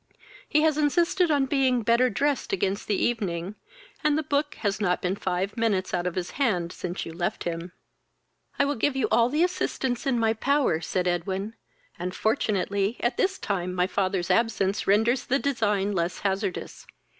He has insisted on being better dressed against the evening, and the book has not been five minutes out of his hand since you left him." "I will give you all the assistance in my power, (said Edwin,) and fortunately at this time my father's absence renders the design less hazardous.